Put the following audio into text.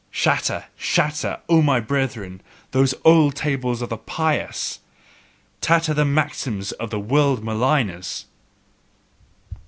Shatter, shatter, O my brethren, those old tables of the pious! Tatter the maxims of the world maligners!